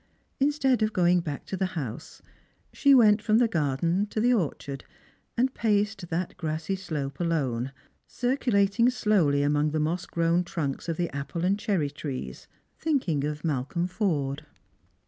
Instead of going back to the house, she went from the garden to the orchai"d, and paced that grassy slope alone, circulating slowly among the mossgrown trunks of the apple and cherry trees, '•'uinking of Malcohn Forde.